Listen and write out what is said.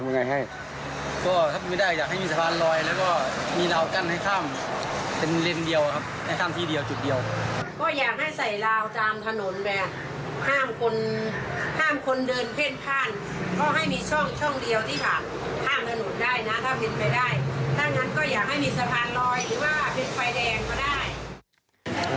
ดังนั้นอย่างให้มีสภาณลอยหรือว่าเป็นไฟแดงก็ได้